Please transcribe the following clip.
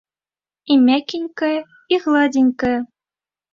І мякенькае і гладзенькае.